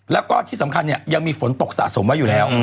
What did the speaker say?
แล้วก็ที่สำคัญเนี่ยยังมีฝนตกสะสมไว้อยู่แล้ว